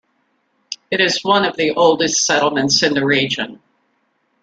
It is one of the oldest settlements in the region.